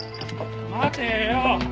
待てよ！